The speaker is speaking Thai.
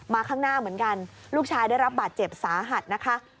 ข้างหน้าเหมือนกันลูกชายได้รับบาดเจ็บสาหัสนะคะ